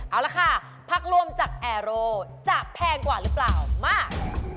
เอาละค่ะพักรวมจากแอร์โรจะแพงกว่าหรือเปล่ามา